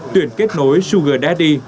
tuyển kết nối sugar daddy